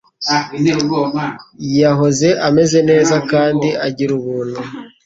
Yahoze ameze neza kandi agira ubuntu,